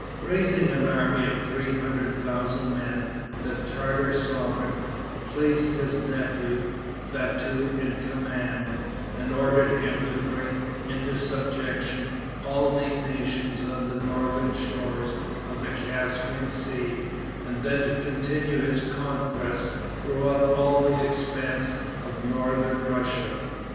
Raising an army of three hundred thousand men, the Tartar sovereign placed his nephew Bati in command, and ordered him to bring into subjection all the nations on the northern shores of the Caspian Sea, and then to continue his conquests throughout all the expanse of northern Russia.